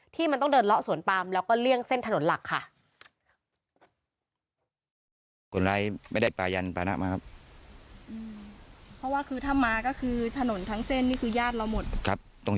ที่มันต้องเดินเลาะสวนปามแล้วก็เลี่ยงเส้นถนนหลักค่ะ